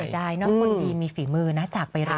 เสียดายนะคนดีมีฝีมือน่ะจากไปเร็ว